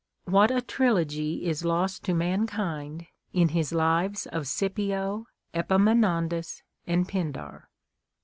What a trilogy is lost to mankind in his Lives of Scipio, Epaminondas, and Pindar